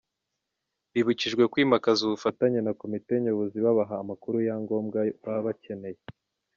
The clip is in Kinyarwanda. Bibukijwe kwimakaza ubufatanye na komite nyobozi babaha amakuru yangombwa baba bakeneye.